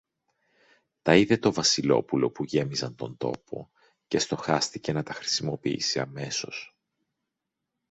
Τα είδε το Βασιλόπουλο που γέμιζαν τον τόπο, και στοχάστηκε να τα χρησιμοποιήσει αμέσως.